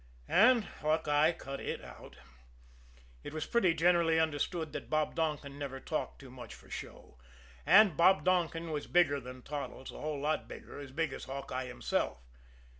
And Hawkeye "cut it out." It was pretty generally understood that Bob Donkin never talked much for show, and Bob Donkin was bigger than Toddles, a whole lot bigger, as big as Hawkeye himself.